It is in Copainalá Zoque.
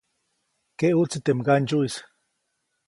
Keʼuʼtsi teʼ mgandsyuʼis.